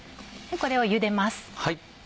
これをゆでます。